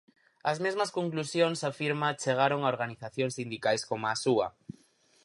Ás mesmas conclusións, afirma, chegaron organizacións sindicais coma a súa.